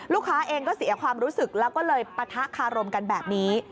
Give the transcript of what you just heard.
ลูกค้าเองก็เสียความรู้สึกแล้วก็เลยปะทะคารมกันแบบนี้